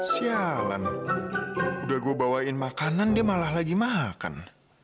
siapaan udah gua bawain makanan dia malah lagi makan